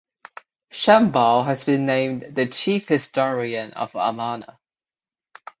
Shambaugh has been named "the chief historian of Amana".